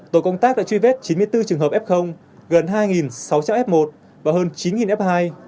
tổ công tác đã truy vết chín mươi bốn trường hợp f gần hai sáu trăm linh f một và hơn chín f hai